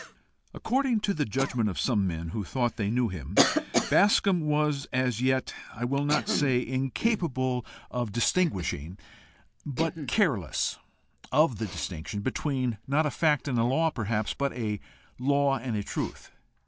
According to the judgment of some men who thought they knew him, Bascombe was as yet I will not say incapable of distinguishing, but careless of the distinction between not a fact and a law, perhaps, but a law and a truth.